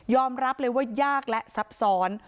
รับเลยว่ายากและซับซ้อน